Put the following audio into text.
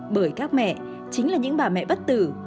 bởi các mẹ chính là những bà mẹ bất tử